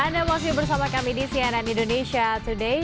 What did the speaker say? anda masih bersama kami di cnn indonesia today